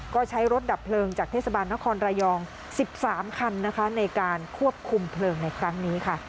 ก็ใช้รถดับเพลิงจากเทศบาลนครระยอง๑๓คันนะคะในการควบคุมเพลิงในครั้งนี้ค่ะ